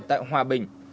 tại hòa bình